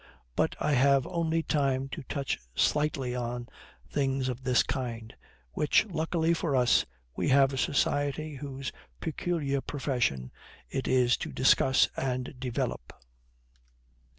But I have only time to touch slightly on things of this kind, which, luckily for us, we have a society whose peculiar profession it is to discuss and develop.